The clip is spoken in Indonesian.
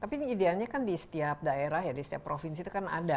tapi ini idealnya kan di setiap daerah ya di setiap provinsi itu kan ada